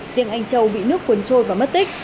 riêng anh châu bị nước cuốn trôi và mất tích